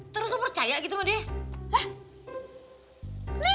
terus lo percaya gitu sama dia hah